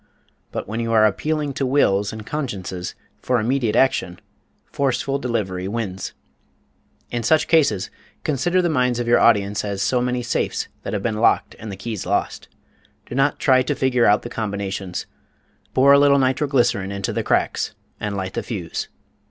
But when you are appealing to wills and consciences for immediate action, forceful delivery wins. In such cases, consider the minds of your audience as so many safes that have been locked and the keys lost. Do not try to figure out the combinations. Pour a little nitro glycerine into the cracks and light the fuse.